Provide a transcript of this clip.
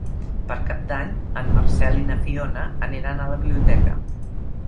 Per Cap d'Any en Marcel i na Fiona aniran a la biblioteca.